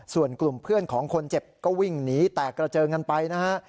ส่วนกลุ่มเพื่อนของคนเจ็บก็วิ่งหนีแตกกระเจิงกันไปนะฮะ